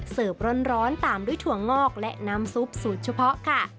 ร้อนตามด้วยถั่วงอกและน้ำซุปสูตรเฉพาะค่ะ